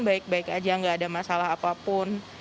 baik baik aja nggak ada masalah apapun